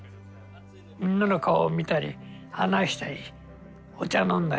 みんなの顔を見たり話したりお茶を飲んだりして。